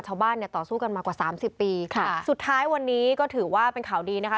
ชาวบ้านเนี่ยต่อสู้กันมากว่าสามสิบปีค่ะสุดท้ายวันนี้ก็ถือว่าเป็นข่าวดีนะคะ